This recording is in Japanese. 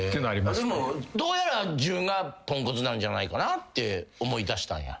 どうやら自分がポンコツなんじゃないかなって思いだしたんや？